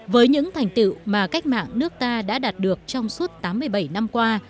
với những thành tựu mà cách mạng nước ta đã đạt được trong suốt tám mươi bảy năm qua